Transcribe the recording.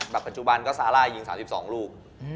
ปัจจุบันก็ซาร่ายิง๓๒ลูก